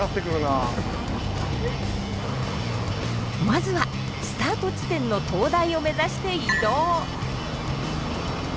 まずはスタート地点の灯台を目指して移動。